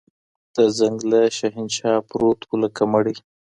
د ځنګله شهنشاه پروت وو لکه مړی